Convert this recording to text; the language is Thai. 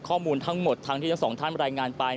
ข้อมูลทั้งหมดทั้งที่ทั้งสองท่านรายงานไป